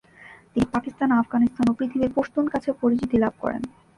তিনি পাকিস্তান, আফগানিস্তান ও পৃথিবীর পশতুন কাছে পরিচিতি লাভ করেন।